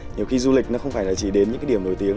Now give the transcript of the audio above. nhiều khi du lịch nó không phải chỉ đến những địa điểm nổi tiếng